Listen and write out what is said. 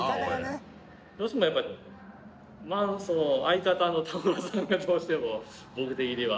どうしてもやっぱ相方の田村さんがどうしても僕的には。